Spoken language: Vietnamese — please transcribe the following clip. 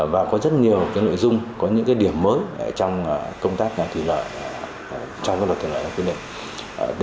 và có rất nhiều cái nội dung có những cái điểm mới trong công tác thủy lợi trong cái luật thủy lợi quy định